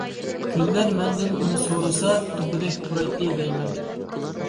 گۈللەر مەندىن ئۇنى سورىسا، توپىدەك پۇرايتتى دەيمەن.